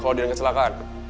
kalau dia gak kecelakaan